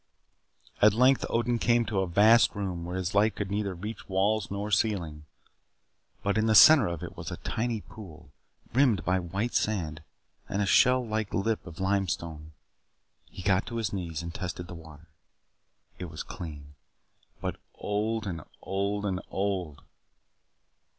At length Odin came to a vast room where his light could reach neither walls nor ceiling. But in the center of it was a tiny pool, rimmed by white sand and a shell like lip of limestone. He got to his knees and tested the water. It was clean but old and old and old.